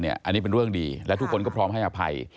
อันนี้เป็นเรื่องดีและทุกคนก็พร้อมให้อภัย